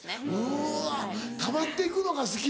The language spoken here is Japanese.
うわ貯まっていくのが好き？